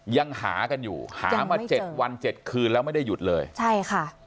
ยังหากันอยู่หามาเจ็ดวันเจ็ดคืนแล้วไม่ได้หยุดเลยใช่ค่ะ